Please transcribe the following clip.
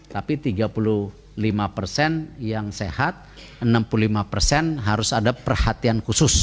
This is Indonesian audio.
tapi tiga puluh lima persen yang sehat enam puluh lima persen harus ada perhatian khusus